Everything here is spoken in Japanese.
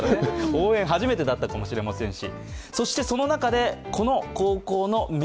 応援、初めてだったかもしれませんし。